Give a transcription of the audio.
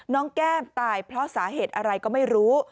แก้มตายเพราะสาเหตุอะไรก็ไม่รู้